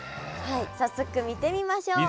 早速見てみましょう。